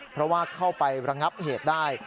เพราะว่าเข้าไประงับเหตุได้